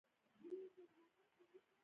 کېله بدن ته تازګي ورکوي.